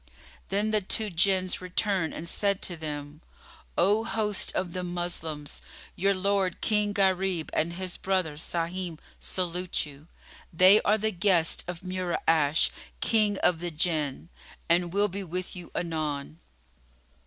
Then the two Jinns returned and said to them, "O host of the Moslems, your lord King Gharib and his brother Sahim salute you; they are the guests of Mura'ash, King of the Jann, and will be with you anon."